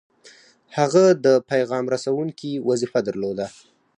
هغه د پیغام رسوونکي وظیفه درلوده.